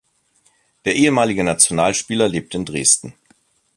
Der ehemalige Nationalspieler lebt in Dresden.